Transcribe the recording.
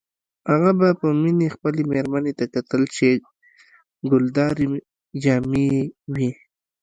هغه به په مینه خپلې میرمنې ته کتل چې ګلدارې جامې یې وې